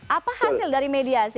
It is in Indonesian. apa hasil dari mediasi